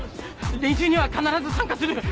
練習には必ず参加する。